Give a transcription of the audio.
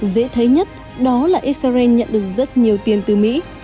dễ thấy nhất đó là israel nhận được rất nhiều tiền từ mỹ